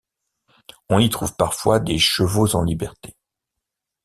On y trouve parfois des chevaux en liberté.